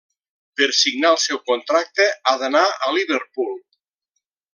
Per signar el seu contracte, ha d'anar a Liverpool.